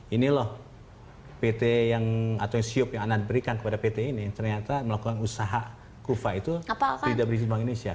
ini loh pt yang atau siup yang anda berikan kepada pt ini ternyata melakukan usaha kuva itu tidak berizin bank indonesia